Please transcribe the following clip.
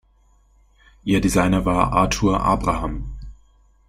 Ihr Designer war Arthur Abraham.